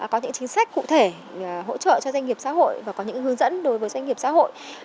có những chính sách cụ thể hỗ trợ cho doanh nghiệp xã hội và có những hướng dẫn đối với doanh nghiệp xã hội